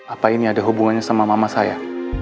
apa ini ada hubungannya sama mama saya